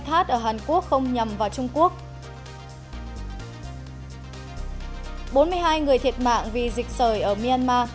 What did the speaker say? trong phần tin thế giới